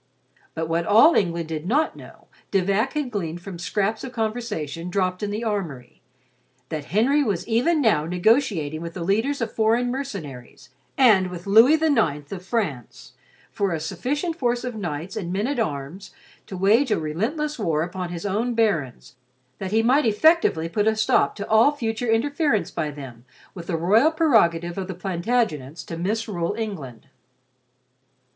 But what all England did not know, De Vac had gleaned from scraps of conversation dropped in the armory: that Henry was even now negotiating with the leaders of foreign mercenaries, and with Louis IX of France, for a sufficient force of knights and men at arms to wage a relentless war upon his own barons that he might effectively put a stop to all future interference by them with the royal prerogative of the Plantagenets to misrule England.